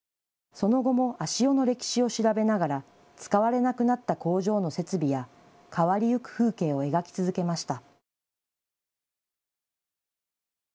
その後も足尾の歴史を調べながら使われなくなった工場の設備や変わりゆく風景を描き続けました。